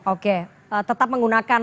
oke tetap menggunakan